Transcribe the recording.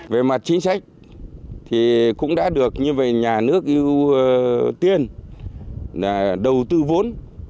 về mặt chính sách thì cũng đã được như vậy nhà nước ưu tiên đầu tư vốn